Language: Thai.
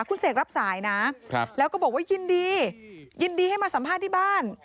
คุณเสกรับสายนะแล้วก็บอกว่ายินดียินดีให้มาสัมภาษณ์ที่บ้าน